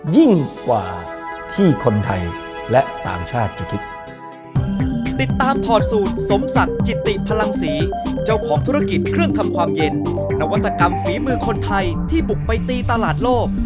ยิ่งกว่าที่คนไทยและต่างชาติจะคิด